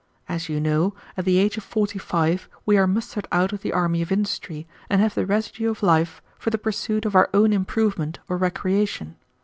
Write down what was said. As you know, at the age of forty five we are mustered out of the army of industry, and have the residue of life for the pursuit of our own improvement or recreation.